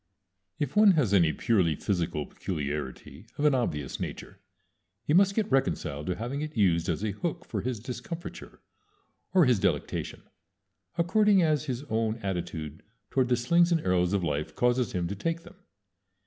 If one has any purely physical peculiarity of an obvious nature, he must get reconciled to having it used as a hook for his discomfiture, or his delectation, according as his own attitude toward the slings and arrows of life causes him to take them.